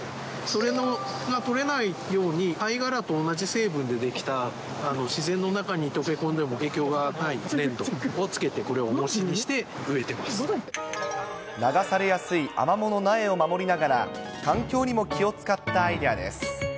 それが取れないように、貝殻と同じ成分で出来た、自然の中に溶け込んでも影響がない紙粘土をつけて、これをおもし流されやすいアマモの苗を守りながら、環境にも気を遣ったアイデアです。